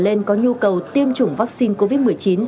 người dân có nhu cầu tiêm chủng vaccine covid một mươi chín